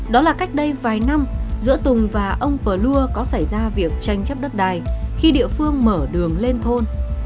đó là cách đây vài năm giữa tùng và ông pờ lưa có xảy ra việc tranh chấp đất đài khi địa phương mở đường lên thôn